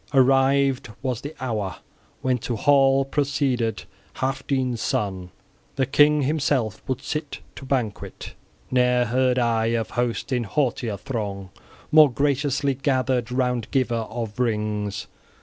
Arrived was the hour when to hall proceeded Healfdene's son: the king himself would sit to banquet. Ne'er heard I of host in haughtier throng more graciously gathered round giver of rings!